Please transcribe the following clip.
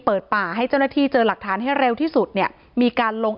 เปิดป่าให้เจ้าหน้าที่เจอหลักฐานให้เร็วที่สุดเนี่ยมีการลง